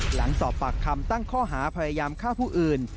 หลังสอบปากคำตั้งข้อหาพยายามฆ่าผู้อื่น